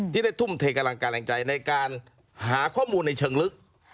ที่ได้ทุ่มเทกำลังการแรงใจในการหาข้อมูลในเชิงลึก